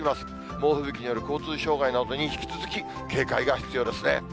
猛吹雪による交通障害などに引き続き警戒が必要ですね。